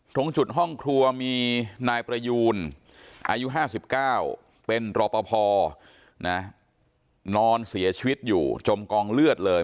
ตรงจุดห้องครัวมีนายประยูนอายุ๕๙เป็นรอปภนอนเสียชีวิตอยู่จมกองเลือดเลย